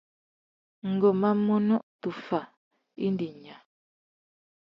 Ngu má munú tôffa indi nya.